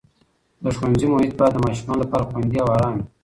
د ښوونځي محیط باید د ماشومانو لپاره خوندي او ارام وي.